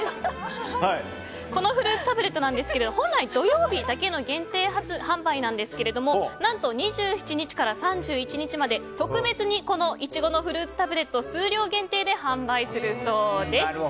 このフルーツタブレットですが本来、土曜日だけの限定販売なんですけれども何と２７日から３１日まで特別にイチゴのフルーツタブレットを数量限定で販売するそうです。